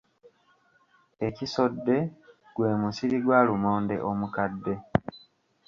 Ekisodde gwe musiri gwa lumonde omukadde.